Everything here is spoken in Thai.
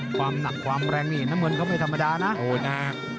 ความหนักความแรงนี่น้ำเงินเขาไม่ธรรมดานะโอ้นะ